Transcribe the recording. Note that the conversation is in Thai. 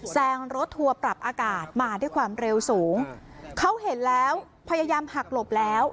แซงรถทัวร์ปรับอากาศมาด้วยความเร็วสูงเขาเห็นแล้วพยายามหักหลบแล้ว